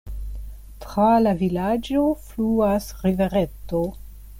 Tra la vilaĝo fluas rivereto.